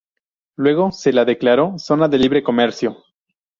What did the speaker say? Luego se la declaró zona de libre comercio.